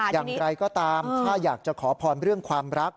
อย่างไรก็ตามถ้าอยากจะขอพรเรื่องความรัก